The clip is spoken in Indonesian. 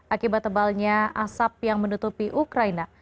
akibat tebalnya asap yang menutupi ukraina